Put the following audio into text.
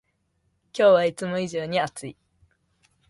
今日はいつも以上に暑い